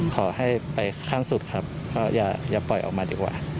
ขอให้ไปข้างสุดครับก็อย่าปล่อยออกมาดีกว่า